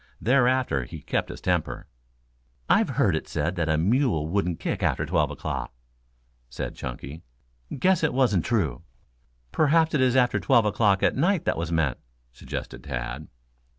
Thereafter he kept his temper. "I've heard it said that a mule wouldn't kick after twelve o'clock," said Chunky. "Guess it wasn't true." "Perhaps it is after twelve o'clock at night that was meant," suggested Tad.